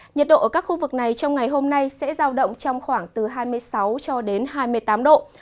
nhiệt độ ở các khu vực này trong ngày hôm nay sẽ giao động trong khoảng từ hai mươi sáu cho đến hai mươi tám độ